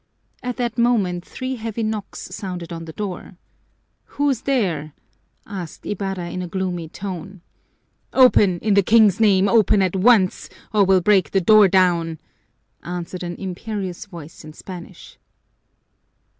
At that moment three heavy knocks sounded on the door. "Who's there?" asked Ibarra in a gloomy tone. "Open, in the King's name, open at once, or we'll break the door down," answered an imperious voice in Spanish.